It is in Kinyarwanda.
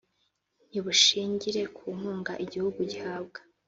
ntibushingire ku nkunga igihugu gihabwa